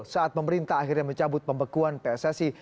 saat pemerintah akhirnya mencabut pembekuan pssi